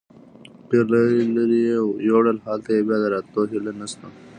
ډېر لرې یې یوړل، هلته چې بیا د راتلو هیله نشته.